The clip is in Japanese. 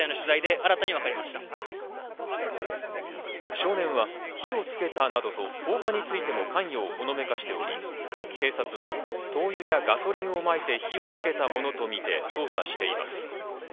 少年は火をつけたなどと放火について関与をほのめかしており、警察は灯油やガソリンをまいて火をつけたものとみて捜査しています。